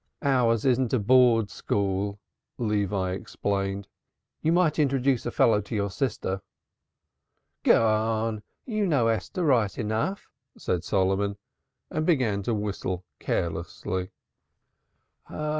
"Ours isn't a board school," Levi explained. "You might introduce a fellow to your sister." "Garn! You know Esther right enough," said Solomon and began to whistle carelessly.